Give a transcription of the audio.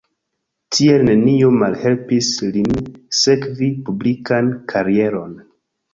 Tiel nenio malhelpis lin sekvi publikan karieron.